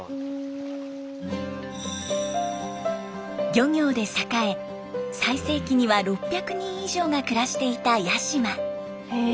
漁業で栄え最盛期には６００人以上が暮らしていた八島。